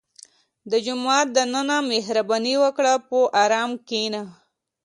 • د جومات دننه مهرباني وکړه، په ارام کښېنه.